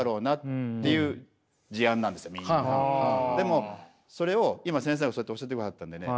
でもそれを今先生がそうやって教えてくださったんでね